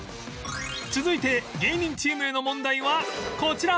続いて芸人チームへの問題はこちら